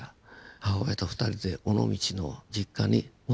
母親と２人で尾道の実家に戻って過ごしました。